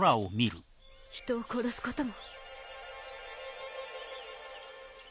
人を殺すことも。